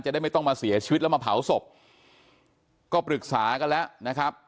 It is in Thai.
ได้ไม่ต้องมาเสียชีวิตแล้วมาเผาศพก็ปรึกษากันแล้วนะครับ